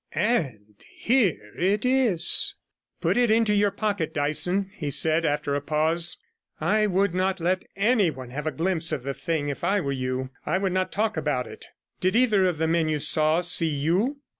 And here it is!' 12 'Put it into your pocket, Dyson,' he said, after a pause. 'I would not let anyone have a glimpse of the thing if I were you. I would not talk about it. Did either of the men you saw see you?'